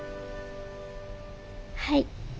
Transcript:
はい。